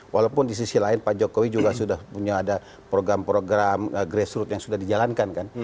walaupun di sisi lain pak jokowi juga sudah punya ada program program grassroot yang sudah dijalankan kan